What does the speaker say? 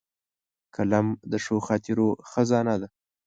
قلم د ښو خاطرو خزانه ده